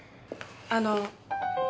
あの。